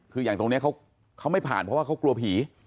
คืออย่างตรงนี้เขาไม่ผ่านเพราะว่าเขากลัวผี